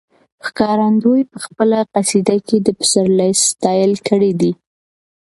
ښکارندوی په خپله قصیده کې د پسرلي ستایل کړي دي.